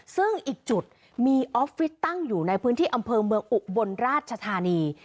ซึ่งอีกจุดมีออฟฟิศตั้งอยู่ในพื้นที่อำเภอเมืองอุบลราชธานี